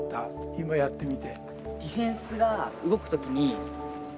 今やってみて。